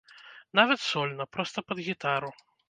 Нават сольна, проста пад гітару.